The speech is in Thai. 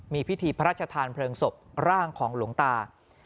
มีพิธีพระราชทานเพลิงศพร่างของหลวงตา